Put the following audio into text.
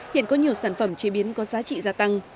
hiện có nhiều sản phẩm chế biến có giá trị gia tăng